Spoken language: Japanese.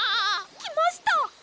きました！